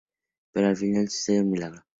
Pero al final sucede un milagro...